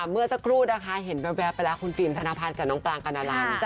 เมื่อสักครู่นะคะเห็นแว๊บไปแล้วคุณฟิล์มธนพัฒน์กับน้องปรางกรณัน